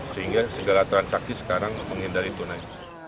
sehingga segala transaksi sekarang menghindari tunai